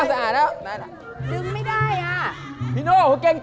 ตรงนี้ยังอ๋อฟอย